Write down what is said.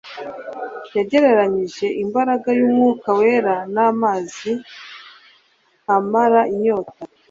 Yagereranyije imbaraga y'Umwuka wera n'amazi amara inyota.